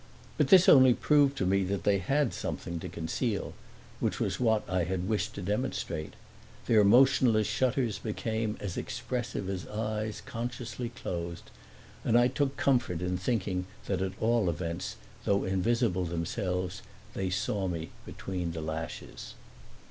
But this only proved to me that they had something to conceal; which was what I had wished to demonstrate. Their motionless shutters became as expressive as eyes consciously closed, and I took comfort in thinking that at all events through invisible themselves they saw me between the lashes.